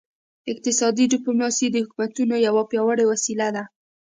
اقتصادي ډیپلوماسي د حکومتونو یوه پیاوړې وسیله ده